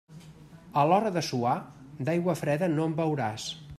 A l'hora de suar, d'aigua freda no en beuràs.